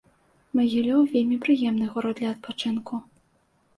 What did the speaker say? Магілёў вельмі прыемны горад для адпачынку.